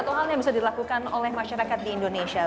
atau hal yang bisa dilakukan oleh masyarakat di indonesia